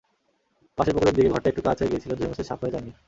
পাশের পুকুরের দিকে ঘরটা একটু কাত হয়ে গিয়েছিল, ধুয়েমুছে সাফ হয়ে যায়নি।